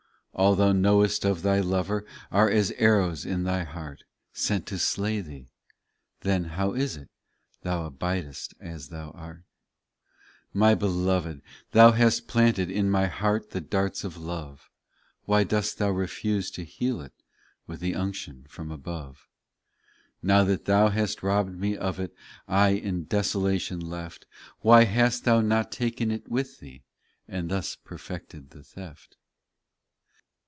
All thou knowest of thy Lover Are as arrows in thy heart Sent to slay thee ; then how is it Thou abidest as thou art ? 9 My Beloved, Thou hast planted In my heart the darts of love ; Why dost Thou refuse to heal it With the unction from above ? Now that Thou hast robbed me of it I in desolation left Why hast Thou not taken it with Thee And thus perfected the theft